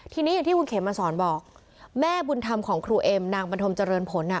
ทีนี้อย่างที่คุณเขมมาสอนบอกแม่บุญธรรมของครูเอ็มนางบันทมเจริญผลอ่ะ